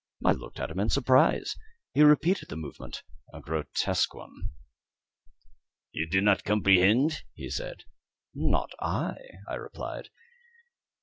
I looked at him in surprise. He repeated the movement a grotesque one. "You do not comprehend?" he said. "Not I," I replied.